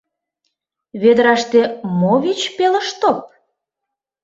Ведраште мо вич пелыштоп?